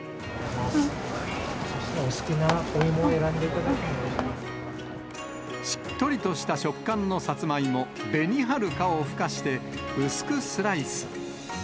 お好きなお芋を選んでいただしっとりした食感のさつまいも、紅はるかをふかして、薄くスライス。